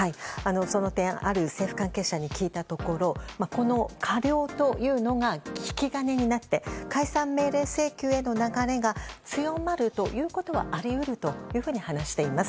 その点、ある政府関係者に聞いたところこの過料というのが引き金になって解散命令請求への流れが強まるということはあり得るというふうに話しています。